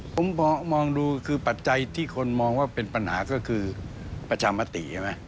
ผมมองดูคือปัจจัยที่คนมองว่าเป็นปัญหาก็คือประชามติใช่ไหม